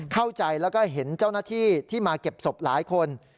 เข้าใจแล้วก็เห็นเจ้าหน้าที่ที่มาเก็บศพหลายคน